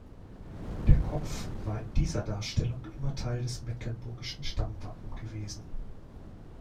Der Kopf war in dieser Darstellung immer Teil des mecklenburgischen Stammwappen gewesen.